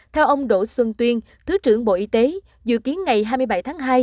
theo ông đỗ xuân tuyên thứ trưởng bộ y tế dự kiến ngày hai mươi bảy tháng hai